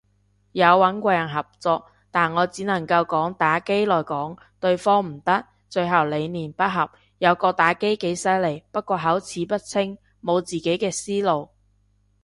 有穩過人合作，但我只能夠講打機來講，對方唔得，最後理念不合，有個打機几犀利，不過口齒不清，無自己嘅思路。